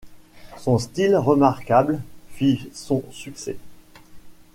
Son style remarquable fit son succès.